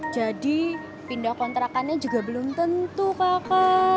jadi pindah kontrakannya juga belum tentu kakak